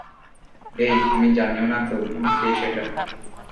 এই, আমি জানিও না তোর বোন কে সেটা!